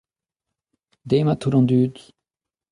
demat tout an dud.